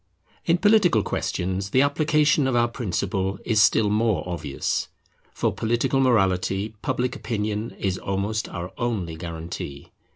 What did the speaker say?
In political questions the application of our principle is still more obvious. For political morality Public Opinion is almost our only guarantee.